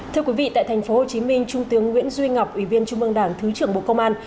thưa quý vị tại tp hcm trung tướng nguyễn duy ngọc ủy viên trung mương đảng thứ trưởng bộ công an